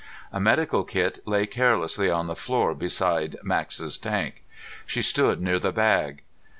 A medical kit lay carelessly on the floor beside Max's tank. She stood near the bag.